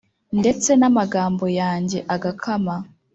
Ndetse namagambo yanjye agakama